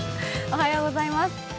おはようございます。